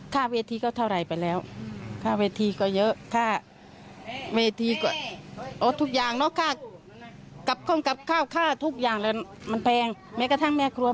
ก็ทุกอย่างเนาะ